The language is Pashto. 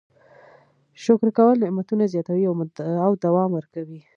شکر کول نعمتونه زیاتوي او دوام ورکوي.